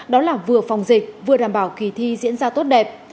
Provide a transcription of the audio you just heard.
đó là vừa phòng dịch vừa đảm bảo kỳ thi diễn ra tốt đẹp